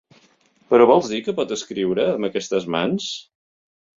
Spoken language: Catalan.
Però vols dir que pot escriure, amb aquestes mans?